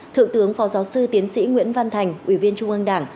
thượng tướng phó giáo sư tiến sĩ nguyễn văn thành ủy viên trung ương đảng